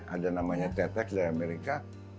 ada namanya tetex dari amerika